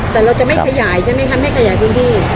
แต่เราจะไม่ขยายใช่ไหมครับไม่ขยายพื้นที่